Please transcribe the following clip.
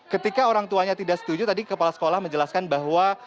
ketika orang tuanya tidak setuju tadi kepala sekolah menjelaskan bahwa